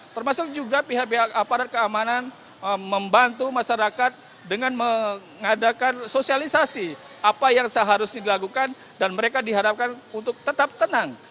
termasuk juga pihak pihak aparat keamanan membantu masyarakat dengan mengadakan sosialisasi apa yang seharusnya dilakukan dan mereka diharapkan untuk tetap tenang